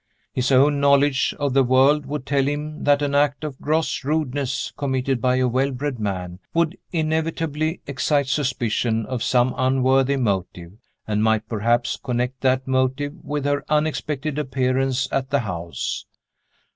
His own knowledge of the world would tell him that an act of gross rudeness, committed by a well bred man, would inevitably excite suspicion of some unworthy motive and might, perhaps, connect that motive with her unexpected appearance at the house.